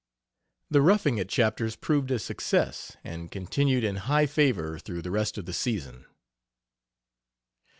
The "Roughing It" chapters proved a success, and continued in high favor through the rest of the season.